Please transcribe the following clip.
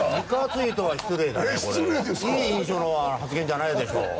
いい印象の発言じゃないでしょう。